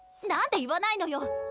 なんで言わないのよ！